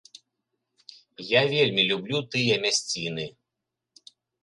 Я вельмі люблю тыя мясціны.